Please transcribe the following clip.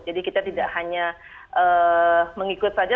jadi kita tidak hanya mengikut saja